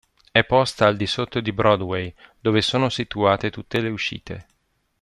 È posta al di sotto di Broadway, dove sono situate tutte le uscite.